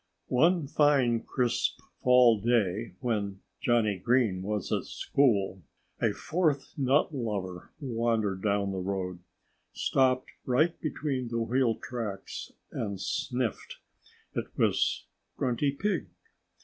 One fine, crisp fall day when Johnnie Green was in school, a fourth nut lover wandered down the road, stopped right between the wheel tracks, and sniffed. It was Grunty Pig.